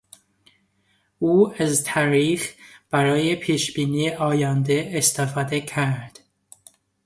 او از تاریخ برای پیشبینی آینده استفاده کرد.